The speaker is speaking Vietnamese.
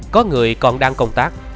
có người còn đang công tác